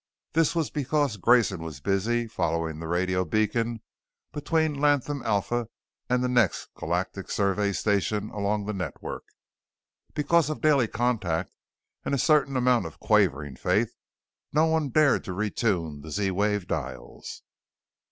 This was because Grayson was busy following the radio beacon between Latham Alpha and the next Galactic Survey station along the network. Because of daily contact and a certain amount of quavering faith, no one dared to retune the Z wave dials.